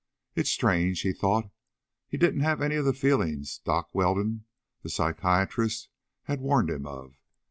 It's strange, he thought, he didn't have any of the feelings Doc Weldon, the psychiatrist, had warned him of.